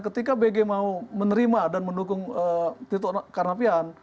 ketika bg mau menerima dan mendukung tito karnavian